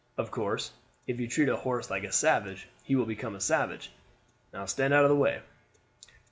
Of course if you treat a horse like a savage he will become savage. Now, stand out of the way."